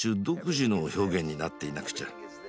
独自の表現になっていなくちゃ。